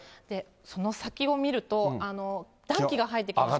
その先を見ると、暖気が入ってきます。